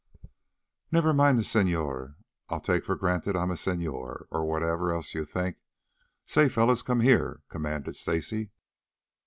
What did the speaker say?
"Never mind the señor. I'll take for granted I'm a señor, or whatever else you think. Say, fellows, come here," commanded Stacy.